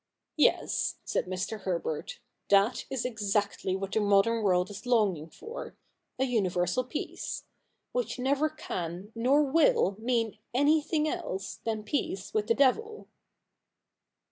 ' Yes,' said Mr. Herbert, ' that is exactly what the modern world is longing for — a universal peace ; which never can nor will mean anything else than peace with the devil.'